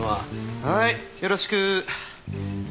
はいよろしく。